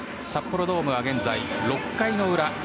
札幌ドームは現在、６回の裏